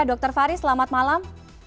dr faris selamat malam